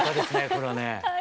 これはね。